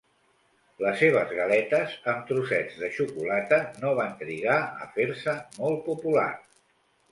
Les seves galetes amb trossets de xocolata no van trigar a fer-se molt populars.